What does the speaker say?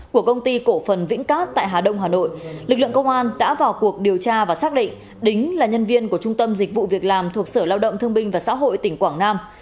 của công ty cổ phần vĩnh cát tại hà đông hà nội lực lượng công an đã vào cuộc điều tra và xác định đính là nhân viên của trung tâm dịch vụ việc làm thuộc sở lao động thương binh và xã hội tỉnh quảng nam